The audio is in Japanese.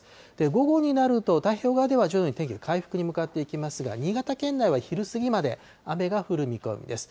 午後になると、太平洋側では徐々に天気、回復に向かっていきますが、新潟県内は昼過ぎまで雨が降る見込みです。